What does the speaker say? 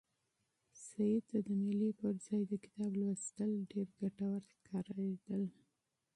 سعید ته د مېلې پر ځای د کتاب لوستل ډېر ګټور ښکارېدل.